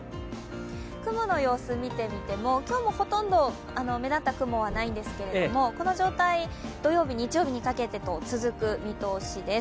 雲の様子を見てみても今日もほとんど目立った雲はないんですけれども、この状態土曜日、日曜日にかけて続く見通しです。